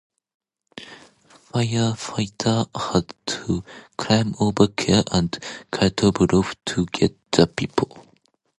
Firefighters had to climb over cars and cut off roofs to get to people.